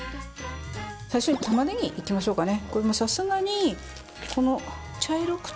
最初に、たまねぎいきましょうかね。